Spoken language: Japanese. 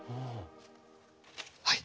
はい。